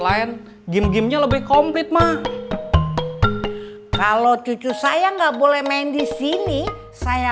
lain game gamenya lebih komplit mah kalau cucu saya nggak boleh main di sini saya